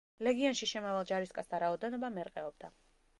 ლეგიონში შემავალ ჯარისკაცთა რაოდენობა მერყეობდა.